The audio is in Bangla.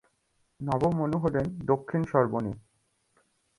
নবম মনু হলেন দক্ষিণ-সর্বর্ণী।